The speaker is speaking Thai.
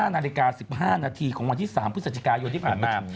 นาฬิกา๑๕นาทีของวันที่๓พฤศจิกายนที่ผ่านมา